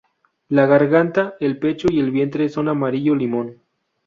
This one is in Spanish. La garganta, el pecho y el vientre son amarillo limón.